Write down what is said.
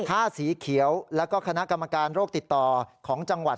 ผ้าสีเขียวแล้วก็คณะกรรมการโรคติดต่อของจังหวัด